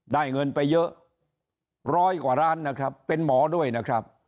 ได้เงินไปเยอะร้อยกว่าล้านนะครับเป็นหมอด้วยนะครับ